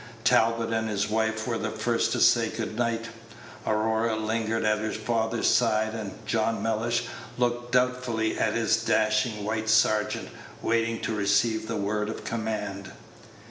Talbot and his wife were the first to say good night. Aurora lingered at her father's side, and John Mellish looked doubtfully at his dashing white sergeant, waiting to receive the word of command.